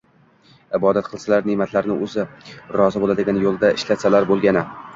ibodat qilsalar, neʼmatlarni O‘zi rozi bo‘ladigan yo‘lda ishlatsalar bo‘lgani.